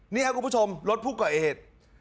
นี่ค่ะคุณผู้ชมรถภูเกอร์เอด